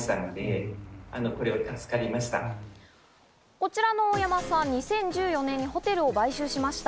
こちらの大山さん、２０１４年にホテルを買収しました。